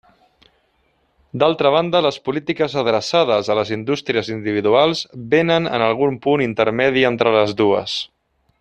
D'altra banda, les polítiques adreçades a les indústries individuals vénen en algun punt intermedi entre les dues.